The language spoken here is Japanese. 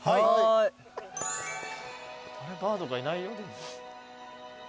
バードがいないよ。